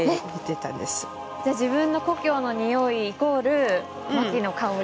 じゃあ自分の故郷のにおいイコールマキの香り？